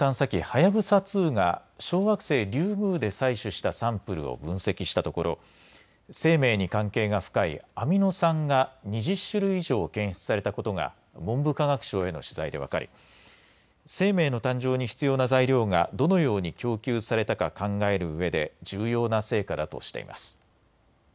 はやぶさ２が小惑星リュウグウで採取したサンプルを分析したところ生命に関係が深いアミノ酸が２０種類以上、検出されたことが文部科学省への取材で分かり生命の誕生に必要な材料がどのように供給されたか考えるうえで重要な成果だとしています。